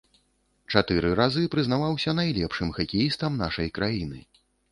Чатыры разы прызнаваўся найлепшым хакеістам нашай краіны.